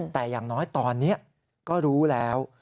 แต่อย่างน้อยตอนนี้ก็รู้แล้ว